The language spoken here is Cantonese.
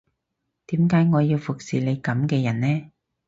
點解我要服侍你噉嘅人呢